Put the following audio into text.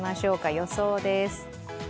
予想です。